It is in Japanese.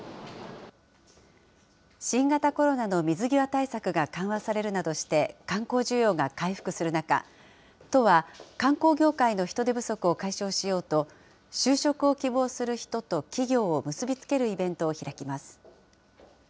新型コロナの水際対策が緩和されるなどして、観光需要が回復する中、都は、観光業界の人手不足を解消しようと、就職を希望する人と企業を結び付けるイベントを開きます。